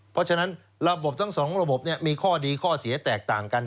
เพราะฉะนั้นระบบทั้งสองระบบมีข้อดีข้อเสียแตกต่างกัน